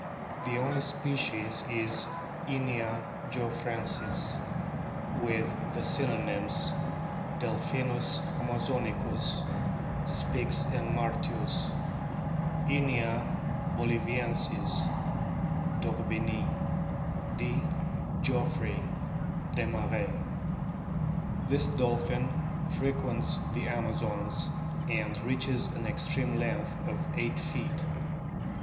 The only species is Inia geoffrensis* with the synonyms : Delpkinus amazonicus, Spix and Martius ; Inia boliviensis, d'Orbigny ; D. geoffroyi, Desmarest. This dolphin frequents the Amazons, and reaches an extreme length of eio ht feet.